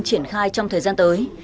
triển khai trong thời gian tới